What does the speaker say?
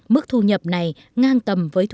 mức thu nhập này ngang tầm với